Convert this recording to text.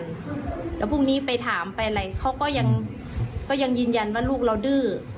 แล้วพรุ่งนี้ไปถามไปอะไรเขาก็ยังยืนยันว่าลูกเราดื้อ